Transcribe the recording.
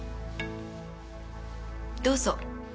どうぞ。